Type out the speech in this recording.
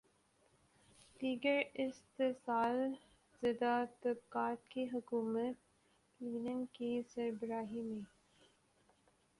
دیگر استحصال زدہ طبقات کی حکومت لینن کی سربراہی میں